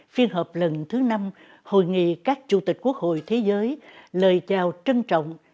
phiên hợp lần thứ năm hội nghị các chủ tịch quốc hội thế giới lời chào trân trọng